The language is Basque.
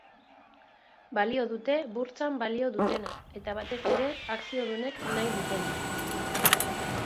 Balio dute burtsan balio dutena, eta batez ere, akziodunek nahi dutena.